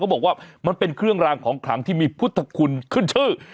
บอกว่ามันเป็นเครื่องรางของขลังที่มีพุทธคุณขึ้นชื่อ